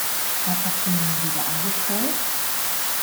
Was hast du nun wieder angestellt?